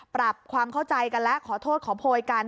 ปรับความเข้าใจกันและขอโทษขอโพยกัน